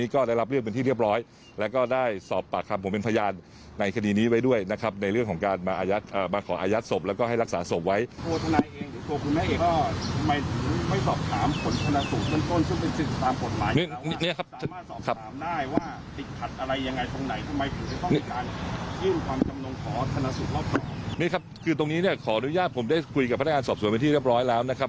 ขออนุญาตผมได้คุยกับพนักงานสอบส่วนบินที่เรียบร้อยแล้วนะครับ